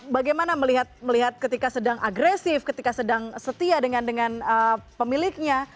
bagaimana melihat ketika sedang agresif ketika sedang setia dengan pemiliknya